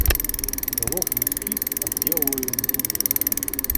Голов людских обделываем дубы.